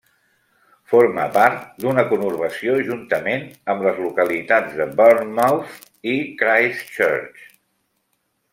Forma part d'una conurbació, juntament amb les localitats de Bournemouth i Christchurch.